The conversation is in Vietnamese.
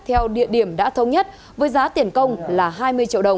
theo địa điểm đã thống nhất với giá tiền công là hai mươi triệu đồng